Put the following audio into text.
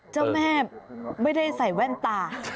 เจ้าแม่ไม่ได้ใส่แว่นตา